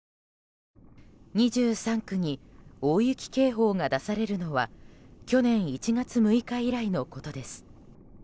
２３区に大雪警報が出されるのは去年１月６日以来のことです。